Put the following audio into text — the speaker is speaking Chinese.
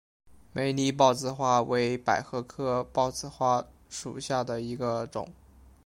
美丽豹子花为百合科豹子花属下的一个种。